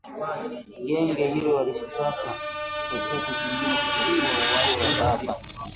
Genge hilo halikutaka chochote kingine isipokua uhai wa baba